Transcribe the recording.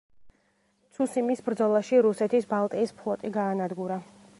ცუსიმის ბრძოლაში რუსეთის ბალტიის ფლოტი გაანადგურა.